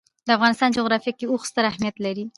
د افغانستان جغرافیه کې اوښ ستر اهمیت لري.